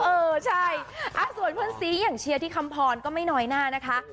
เออใช่ส่วนเพื่อนซีอย่างเชียร์ที่คำพรก็ไม่น้อยหน้านะคะ